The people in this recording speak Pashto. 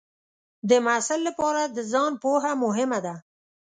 د محصل لپاره د ځان پوهه مهمه ده.